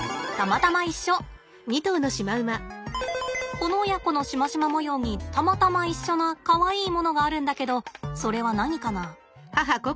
この親子のシマシマ模様にたまたま一緒なかわいいものがあるんだけどそれは何かな？